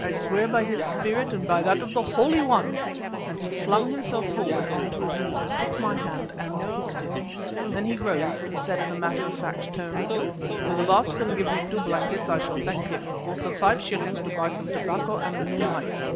"I swear by his spirit and by that of the Holy One," and he flung himself forward on to his knees, took my hand and kissed it. Then he rose and said in a matter of fact tone, "If the Baas can give me two blankets, I shall thank him, also five shillings to buy some tobacco and a new knife.